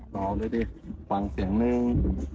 ๒ด้วยดีฟังเสียง๑